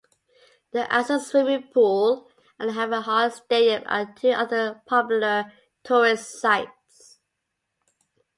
The Azure Swimming Pool and Avanhard Stadium are two other popular tourist sites.